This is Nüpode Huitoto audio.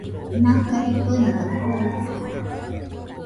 Naga idonɨaɨ oitɨo